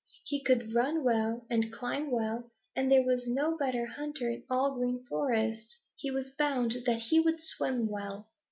He could run well and climb well, and there was no better hunter in all the Green Forest. He was bound that he would swim well.